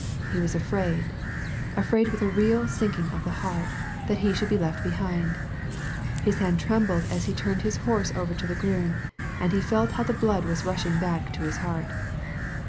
He was afraid, afraid with a real sinking of the heart, that he should be left behind. His hand trembled as he turned his horse over to the groom, and he felt how the blood was rushing back to his heart.